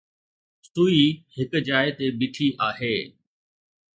سوئي هڪ جاءِ تي بيٺي آهي.